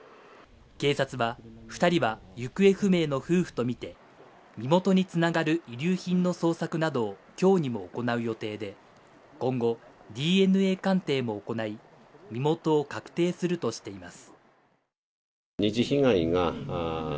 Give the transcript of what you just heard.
警察は２人は行方不明の夫婦とみて身元につながる遺留品の捜索などを今日にも行う予定で今後ＤＮＡ鑑定も行い、身元を確定するとしています。